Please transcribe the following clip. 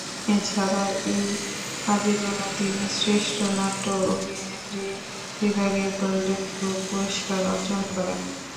এছাড়া এই কাজের জন্য তিনি শ্রেষ্ঠ নাট্য অভিনেত্রী বিভাগে গোল্ডেন গ্লোব পুরস্কার অর্জন করেন।